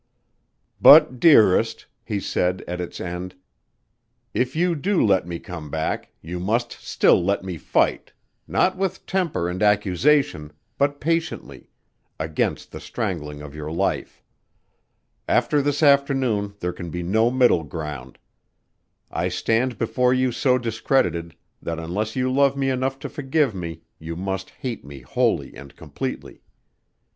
"But, dearest," he said at its end, "if you do let me come back, you must still let me fight not with temper and accusation, but patiently against the strangling of your life. After this afternoon there can be no middle ground. I stand before you so discredited that unless you love me enough to forgive me you must hate me wholly and completely.